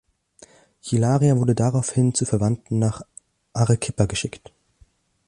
Hilaria wurde daraufhin zu Verwandten nach Arequipa geschickt.